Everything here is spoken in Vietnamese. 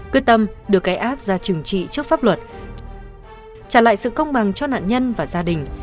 quyết tâm đưa cái ác ra trừng trị trước pháp luật trả lại sự công bằng cho nạn nhân và gia đình